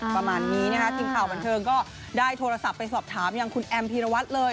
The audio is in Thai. ประมาณนี้นะคะทีมข่าวบันเทิงก็ได้โทรศัพท์ไปสอบถามอย่างคุณแอมพีรวัตรเลย